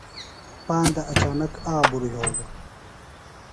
پاندہ اچانک آبرُوۡ یھولوۡ۔